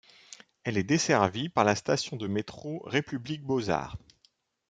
Elle est desservie par la station de métro République - Beaux-Arts.